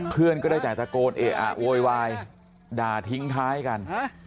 เพื่อนก็ได้แต่ตะโกนเอะอะโวยวายด่าทิ้งท้ายกัน